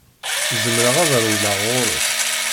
Zemreɣ ad rewleɣ ɣur-s.